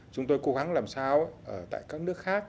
cố gắng làm sao tại các nước khác